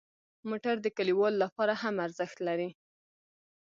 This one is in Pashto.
موټر د کلیوالو لپاره هم ارزښت لري.